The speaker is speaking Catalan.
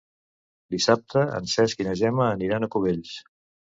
Dissabte en Cesc i na Gemma aniran a Cubells.